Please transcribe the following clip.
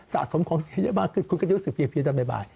สะสมของเสียได้มากขึ้นคุณก็จะรู้สึกเพียตอนบ่าย